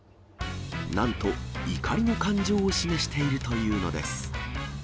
なんと怒りの感情を示しているというのです。